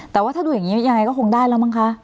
แต่ว่าถ้าดูอย่างนี้ยังไงก็คงได้แล้วมั้งคะ